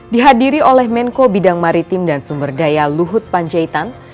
dihadiri oleh menko bidang maritim dan sumber daya luhut panjaitan